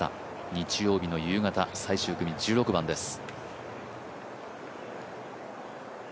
日曜日の夕方最終組、１６番です。